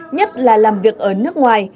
nhất là làm việc ở nước ngoài